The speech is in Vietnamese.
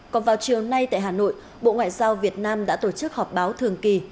còn vào chiều nay tại hà nội bộ ngoại giao việt nam đã tổ chức họp báo thường kỳ